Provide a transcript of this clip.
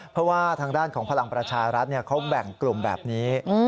เพราะว่าทางด้านของพลังประชารัฐเขาแบ่งกลุ่มแบบนี้